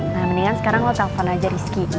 nah mendingan sekarang lo telfon aja risky